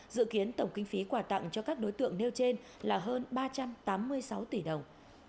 dự kiến tổng kinh phí quà tặng cho các đối tượng nêu trên là hơn ba trăm tám mươi sáu tỷ đồng